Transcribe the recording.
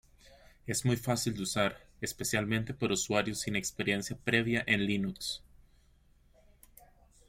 Es muy fácil de usar, especialmente por usuarios sin experiencia previa en Linux.